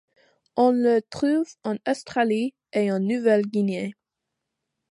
On le trouve en Australie et en Nouvelle-Guinée.